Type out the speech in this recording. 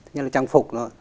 như là trang phục nữa